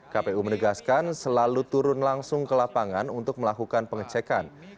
kpu menegaskan selalu turun langsung ke lapangan untuk melakukan pengecekan